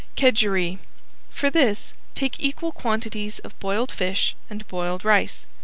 ~KEDGEREE~ For this take equal quantities of boiled fish and boiled rice.